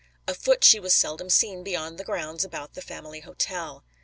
Afoot she was seldom seen beyond the grounds about the family hotel.